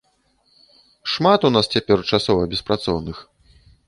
Шмат у нас цяпер часова беспрацоўных.